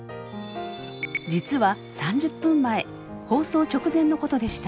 実は３０分前放送直前のことでした。